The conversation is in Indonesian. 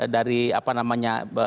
dari apa namanya